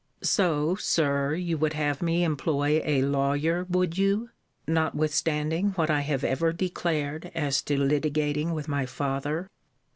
So, Sir, you would have me employ a lawyer, would you, notwithstanding what I have ever declared as to litigating with my father?